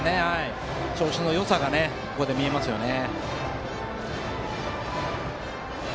調子のよさが見えますよね。